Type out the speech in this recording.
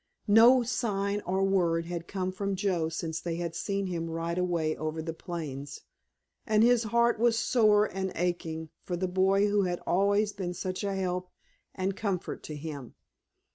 No sign or word had come from Joe since they had seen him ride away over the plains, and his heart was sore and aching for the boy who had always been such a help and comfort to him.